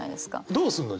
どうすんの？